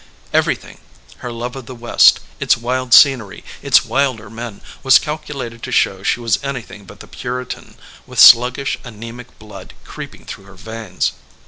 Everything, her love of the West, its wild scenery, its wilder men, was cal culated to show she was anything but the Puritan with sluggish, anaemic blood creeping through her veins.